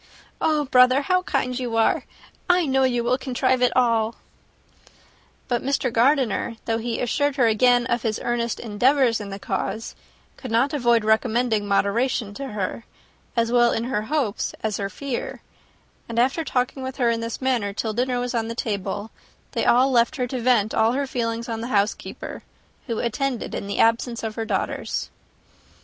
Oh, brother, how kind you are! I know you will contrive it all." But Mr. Gardiner, though he assured her again of his earnest endeavours in the cause, could not avoid recommending moderation to her, as well in her hopes as her fears; and after talking with her in this manner till dinner was on table, they left her to vent all her feelings on the housekeeper, who attended in the absence of her daughters.